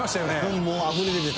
もうあぶり出てた。